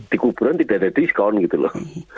di kuburan tidak ada diskon gitu loh